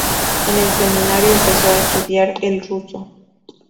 En el seminario empezó a estudiar el ruso.